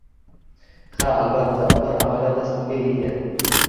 Ha, albatta ular amaliyot dasturiga ega.